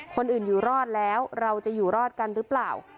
คนอื่นอยู่รอดแล้วเราจะอยู่รอดกันหรือเปล่า